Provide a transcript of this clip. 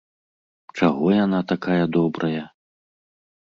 Чаго яна такая добрая?